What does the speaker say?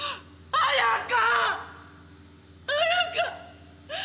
綾香！